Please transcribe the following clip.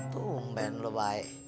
tungben lo baik